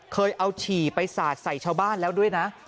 เคยเอาฉี่ไปสาดใส่ชาวบ้านแล้วด้วยนะ